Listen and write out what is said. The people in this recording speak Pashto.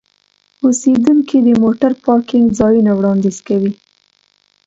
اوسیدونکي د موټر پارکینګ ځایونه وړاندیز کوي.